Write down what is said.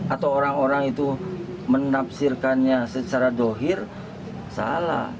atau orang orang itu menafsirkannya secara dohir salah